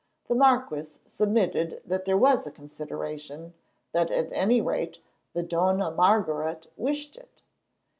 The marquis submitted that there was a consideration; that at any rate the Dona Margaret wished it.